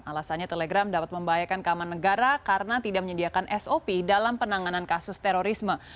alasannya telegram dapat membahayakan keamanan negara karena tidak menyediakan sop dalam penanganan kasus terorisme